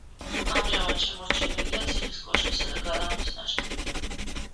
ამჟამად შემორჩენილია ციხის კოშკისა და გალავნის ნაშთები.